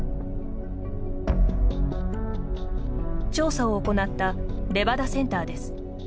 調査を行ったレバダセンターです。